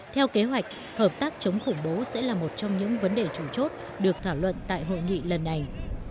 theo kế hoạch hợp tác chống khủng bố sẽ là một trong những vấn đề chủ chốt được thảo luận tại hội nghị lần này